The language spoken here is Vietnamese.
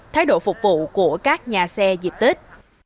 thái độ phục vụ của các nhà xe dịp tết